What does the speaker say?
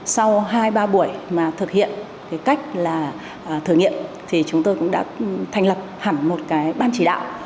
sau hai ba buổi mà thực hiện cái cách là thử nghiệm thì chúng tôi cũng đã thành lập hẳn một cái ban chỉ đạo